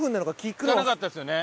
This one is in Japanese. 聞かなかったですよね。